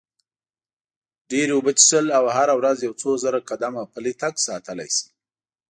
ډېرې اوبه څښل او هره ورځ یو څو زره قدمه پلی تګ ساتلی شي.